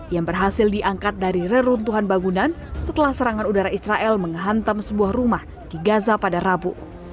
yang berhasil diangkat dari reruntuhan bangunan setelah serangan udara israel menghantam sebuah rumah di gaza pada rabu